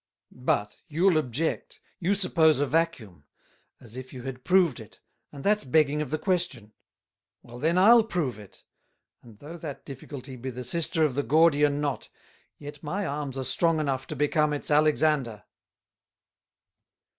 But, you'll object, you suppose a Vacuum, as if you had proved it, and that's begging of the question: Well then I'll prove it, and though that difficulty be the Sister of the Gordian knot, yet my Arms are strong enough to become its Alexander.